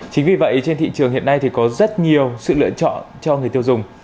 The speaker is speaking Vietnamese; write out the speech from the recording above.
chính vì vậy trên thị trường hiện nay thì có rất nhiều sự lựa chọn cho người tiêu dùng